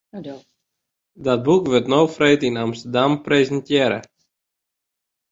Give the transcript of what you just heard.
Dat boek wurdt no freed yn Amsterdam presintearre.